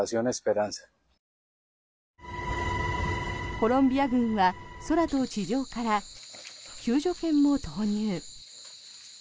コロンビア軍は空と地上から救助犬も投入。